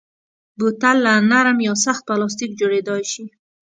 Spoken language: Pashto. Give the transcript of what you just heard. بوتل له نرم یا سخت پلاستیک جوړېدای شي.